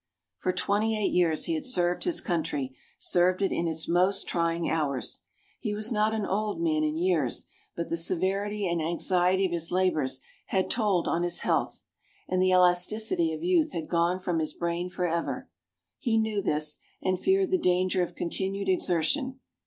For twenty eight years he had served his country served it in its most trying hours. He was not an old man in years, but the severity and anxiety of his labors had told on his health, and the elasticity of youth had gone from his brain forever. He knew this, and feared the danger of continued exertion.